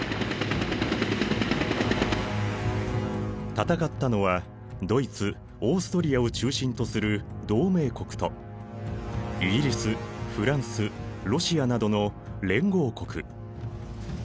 戦ったのはドイツオーストリアを中心とする同盟国とイギリスフランスロシアなどの連合国。